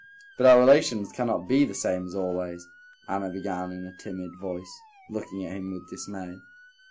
"But our relations cannot be the same as always," Anna began in a timid voice, looking at him with dismay.